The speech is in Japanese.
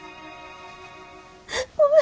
ごめん。